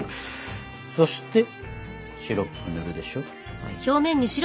そしてシロップ塗るでしょ。